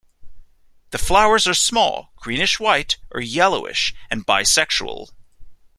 The flowers are small, greenish-white or yellowish, and bisexual.